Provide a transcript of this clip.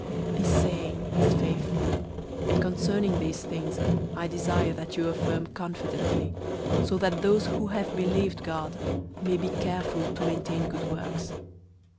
003:008 This saying is faithful, and concerning these things I desire that you affirm confidently, so that those who have believed God may be careful to maintain good works.